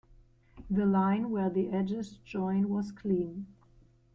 The line where the edges join was clean.